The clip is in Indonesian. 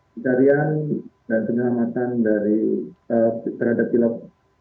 pencarian dan penyelamatan terhadap pilot